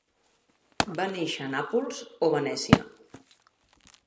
Va néixer a Nàpols o Venècia.